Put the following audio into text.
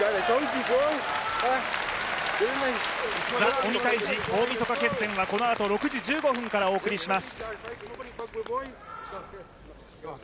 「ＴＨＥ鬼タイジ大晦日決戦」はこのあと６時１５分からお送りします。